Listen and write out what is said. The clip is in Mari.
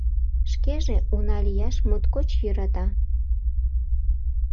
Шкеже уна лияш моткоч йӧрата.